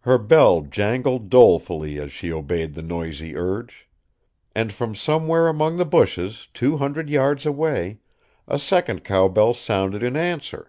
Her bell jangled dolefully as she obeyed the noisy urge. And from somewhere among the bushes, two hundred yards away, a second cowbell sounded in answer.